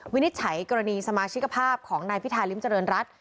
วินิจฉัยกรณีสมาชิกภาพของนายพิธาริมเจริญรัฐ